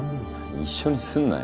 一緒にすんなよ。